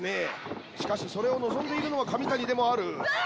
しかしそれを望んでいるのは上谷でもある。